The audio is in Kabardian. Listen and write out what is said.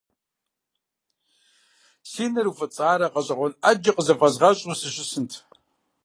Си нэр уфӏыцӏарэ гъэщӏэгъуэн ӏэджи къызыфӏэзгъэщӏу сыщысынт.